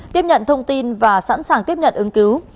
tiếp nhận thông tin và sẵn sàng tiếp nhận ứng cứu